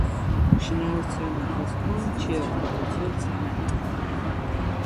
Շինարարության ընթացքում չի օգտագործվել ցեմենտ։